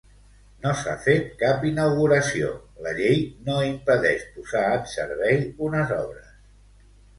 No s'ha fet cap inauguració, la llei no impedeix posar en servei unes obres.